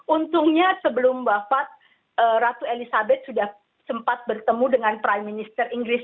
untungnya sebelum wafat ratu elizabeth sudah sempat bertemu dengan prime minister inggris